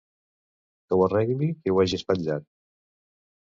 Que ho arregli qui ho hagi espatllat!